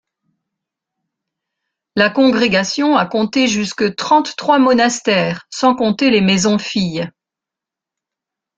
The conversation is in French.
La congrégation a compté jusque trente-trois monastères, sans compter les maisons-filles.